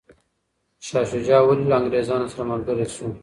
شاه شجاع ولي له انګریزانو سره ملګری شو؟